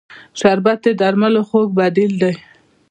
شربت د درملو خوږ بدیل دی